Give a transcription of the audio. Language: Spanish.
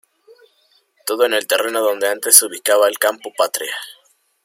Todo en el terreno donde antes se ubicaba el campo Patria.